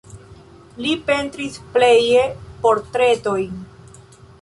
Li pentris pleje portretojn.